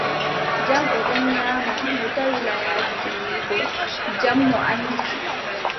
Jam, o ɗon nyaama, mo tawi layaaji ɓiyiiko, jam mo annditi.